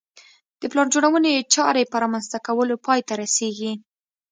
د پلان جوړونې چارې په رامنځته کولو پای ته رسېږي.